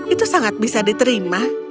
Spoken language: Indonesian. itu sangat bisa diterima